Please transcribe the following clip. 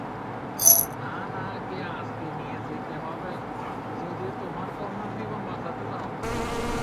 হা-না কে আজকেই নিয়ে যেতে হবে যদি তোমার কন্যার জীবন বাঁচাতে চাও।